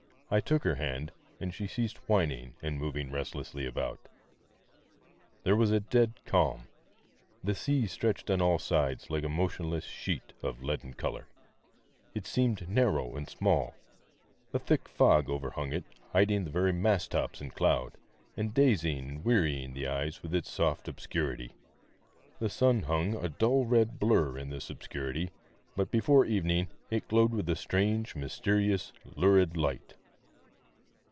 I took her hand, and she ceased whining and moving restlessly about. There was a dead calm. The sea stretched on all sides like a motionless sheet of leaden colour. It seemed narrowed and small ; a thick fog overhung it, hiding the very mast tops in 317 POEMS IN PROSE cloud, and dazing and wearying the eyes with its soft obscurity. The sun hung, a dull red blur in this obscurity ; but before evening it glowed with strange, mysterious, lurid light.